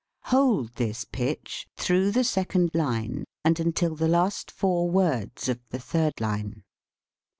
; Hold this pitch through the second line and until the last four words of the third line.